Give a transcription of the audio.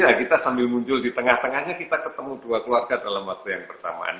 ya kita sambil muncul di tengah tengahnya kita ketemu dua keluarga dalam waktu yang bersamaan